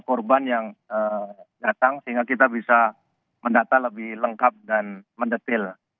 korban yang datang sehingga kita bisa mendata lebih lengkap dan mendetail